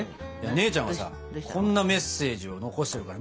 姉ちゃんがさこんなメッセージを残してるから。